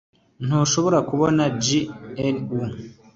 ntushobora kubona gnu,